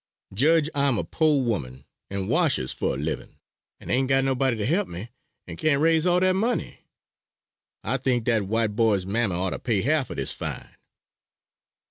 Jedge I am a po' woman, and washes fur a livin', and ain't got nobody to help me, and can't raise all dat money. I think dat white boy's mammy ought to pay half of dis fine."